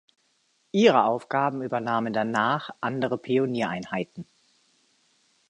Ihre Aufgaben übernahmen danach andere Pioniereinheiten.